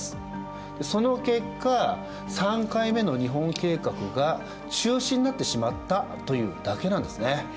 その結果３回目の日本計画が中止になってしまったというだけなんですね。